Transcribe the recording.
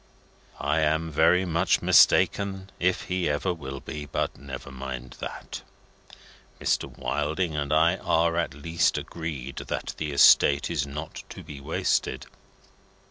I am very much mistaken if he ever will be, but never mind that. Mr. Wilding and I are, at least, agreed that the estate is not to be wasted.